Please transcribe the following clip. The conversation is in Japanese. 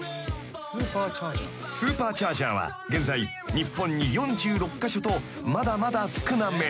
［スーパーチャージャーは現在日本に４６カ所とまだまだ少なめ］